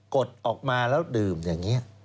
ดออกมาแล้วดื่มอย่างนี้